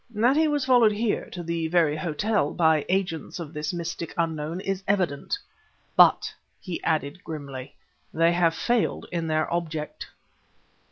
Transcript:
That he was followed here, to the very hotel, by agents of this mystic Unknown is evident. But," he added grimly, "they have failed in their object!"